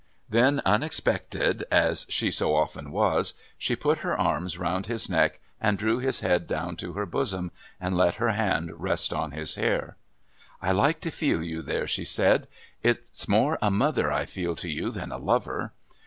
Then, unexpected, as she so often was, she put her arms round his neck and drew his head down to her bosom and let her hand rest on his hair. "I like to feel you there," she said. "It's more a mother I feel to you than a lover."